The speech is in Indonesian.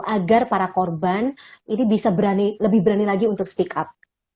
agar para korban ini bisa lebih berani lagi untuk speak up